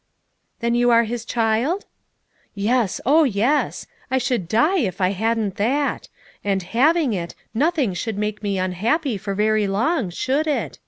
"Then you are His child !" "Yes, oh, yes ! I should die if I hadn't that ; and having it nothing should make me unhappy for very long, should it?